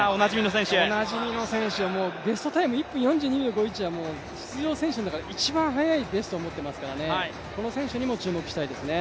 おなじみの選手、ベストタイムは出場している選手の中で一番速いベストを持っていますから、この選手にも注目したいですね。